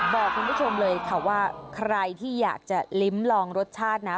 บอกคุณผู้ชมเลยค่ะว่าใครที่อยากจะลิ้มลองรสชาตินะ